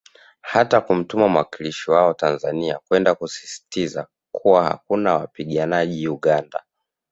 Hata kumtuma mwakilishi wao Tanzania kwenda kusisisitiza kuwa hakuna wapiganajji Uganda